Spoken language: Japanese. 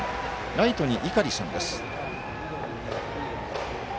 ライトに井狩さんです。